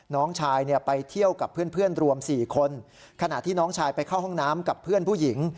น้องชายเนี่ยไปเที่ยวกับเพื่อนรวม๔คนขณะที่น้องชายไปเข้าห้องน้ำกับเพื่อนผู้หญิง